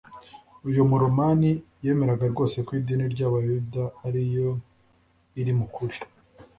uyu muromani yemeraga rwose ko idini y'abayuda ariyo iri mu kuri.